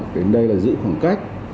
đến đây là giữ khoảng cách